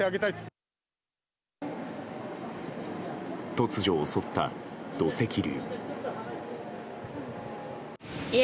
突如襲った、土石流。